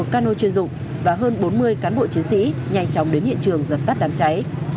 một cano chuyên dụng và hơn bốn mươi cán bộ chiến sĩ nhanh chóng đến hiện trường dập tắt đám cháy